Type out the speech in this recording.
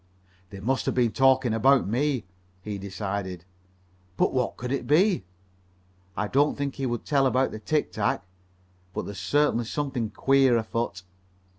"They must have been talking about me," he decided; "but what could it be? I don't think he would tell about the tic tac, but there's certainly something queer afoot."